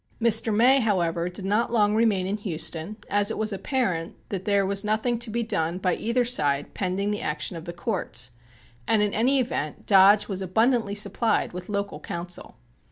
Mr. May, however, did not long remain in Houston, as it was apparent that there was nothing to be done by either side pending the action of the courts, and in any event Dodge was abundantly supplied with local counsel.